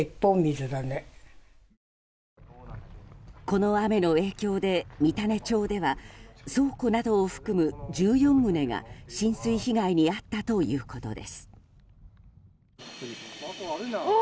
この雨の影響で、三種町では倉庫などを含む１４棟が浸水被害に遭ったということです。